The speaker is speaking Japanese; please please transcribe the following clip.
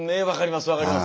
分かります。